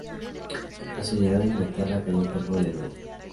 A su llegada a Inglaterra cayó enfermo de nuevo.